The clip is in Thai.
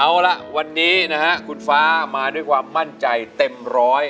เอาละวันนี้นะฮะคุณฟ้ามาด้วยความมั่นใจเต็มร้อย